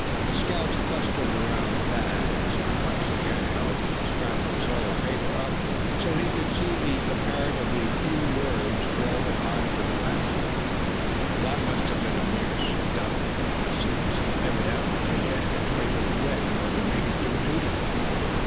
The scouts clustered around Thad as he once again held the scrap of soiled paper up so he could see the comparatively few words scrawled upon it with a pencil, that must have been a mere stub, since it evidently had to be frequently wet in order to make it do duty.